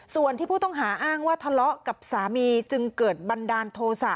ส่วนที่ผู้ต้องหาอ้างว่าทะเลาะกับสามีจึงเกิดบันดาลโทษะ